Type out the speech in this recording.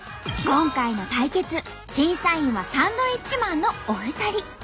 今回の対決審査員はサンドウィッチマンのお二人。